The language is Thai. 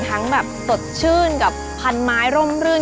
ทั้งแบบสดชื่นกับพันไม้ร่มรื่น